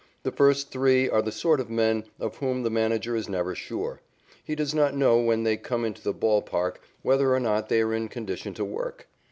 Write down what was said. The first three are the sort of men of whom the manager is never sure. He does not know, when they come into the ball park, whether or not they are in condition to work.